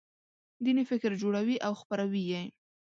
دیني فکر جوړوي او خپروي یې.